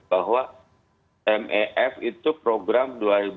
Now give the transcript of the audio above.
bahwa mef itu program dua ribu sembilan dua ribu empat belas